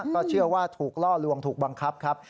ก็เชื่อว่าถูกล่อลวงถูกบังคับครับ